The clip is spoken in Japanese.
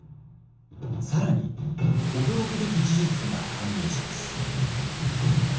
更に驚くべき事実が判明します。